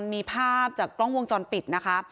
มีภาพจากกล้องวงจรปิดนะคะ